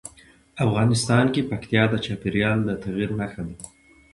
افغانستان کې پکتیا د چاپېریال د تغیر نښه ده.